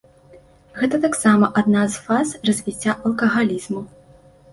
Гэта таксама адна з фаз развіцця алкагалізму.